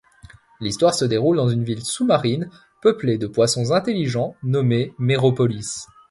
L'histoire se déroule dans une ville sous-marine, peuplée de poissons intelligents, nommée Méropolis.